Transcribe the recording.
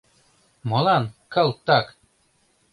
Молан, калтак?